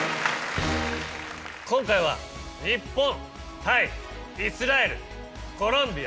今回は日本タイイスラエルコロンビア。